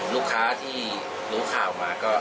ลูกค้าที่รู้ข่าวมาก็